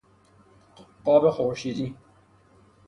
قاب خورشیدی